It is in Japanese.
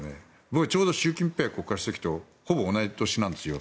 僕、ちょうど習近平国家主席とほぼ同じ年なんですよ。